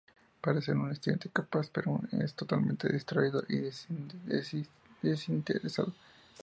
Parece ser un estudiante capaz, pero es totalmente distraído y desinteresado.